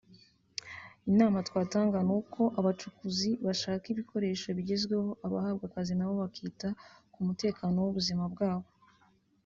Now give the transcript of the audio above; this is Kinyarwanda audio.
Inama twatanga ni uko abacukuzi bashaka ibikoresho bigezweho abahabwa akazi nabo bakita ku mutekano w’ubuzima bwabo”